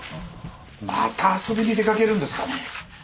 また遊びに出かけるんですかねえ。